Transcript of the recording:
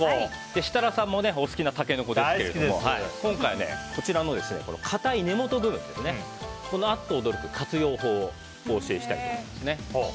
設楽さんもお好きなタケノコですけども今回、こちらの硬い根元部分のあっと驚く活用法をお教えしたいと思います。